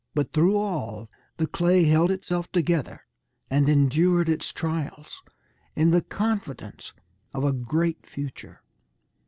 But through all, the clay held itself together and endured its trials, in the confidence of a great future.